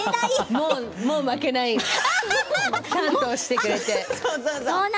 もう負けない、やってくれて。